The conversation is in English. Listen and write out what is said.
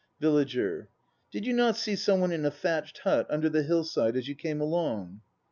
VILLAGER. Did you not see some one in a thatched hut under the hillside as you came along?